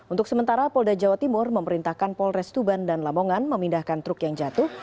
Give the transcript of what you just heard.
untuk sementara polda jawa timur memerintahkan polres tuban dan lamongan memindahkan truk yang jatuh